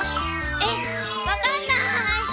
えっわかんない。